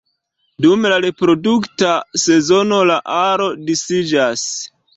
Dum la reprodukta sezono la aro disiĝas.